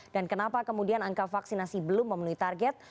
dan kenapa kemudian angka vaksinasi belum memenuhi target